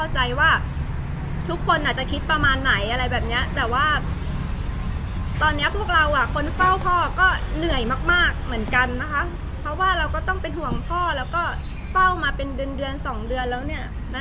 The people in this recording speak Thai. ใช่อะไรประมาณนั้นเจ้าของไข้อย่างเงี้ยค่ะ